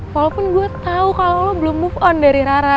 walaupun gue tau kalau lo belum move on dari rara